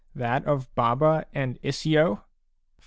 That of Baba and Isio 6 ?